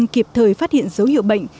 để kịp thời phát hiện dấu hiệu bệnh